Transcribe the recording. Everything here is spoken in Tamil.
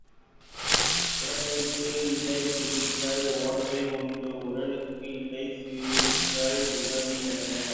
உடுக்கைக்கு இடை சிறுத்தால் ஓசை உண்டு உரலுக்கு இடை சிறுத்தால் உதவி என்ன?